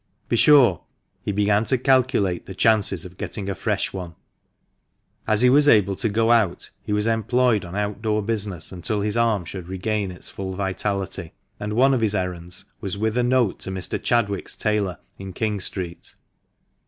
Be sure he began to calculate the chances of getting a fresh one. As he was able to go out, he was employed on out door business until his arm should regain its full vitality, and one of his errands was with a note to Mr. Chadwick's tailor, in King Street.